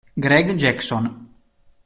Greg Jackson